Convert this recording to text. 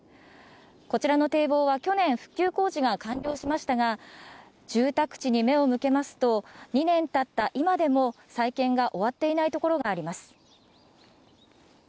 こちらの堤防は去年、復旧工事が完了しましたが、住宅地に目を向けますと、２年たった今でも再建が終わっていないところがあります。